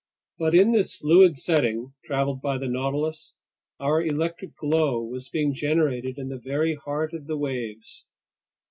But in this fluid setting traveled by the Nautilus, our electric glow was being generated in the very heart of the waves.